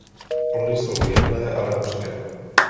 Plody jsou jedlé ale hořké.